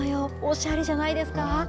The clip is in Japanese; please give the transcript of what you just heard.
おしゃれじゃないですか。